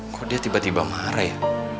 kok dia tiba tiba marah ya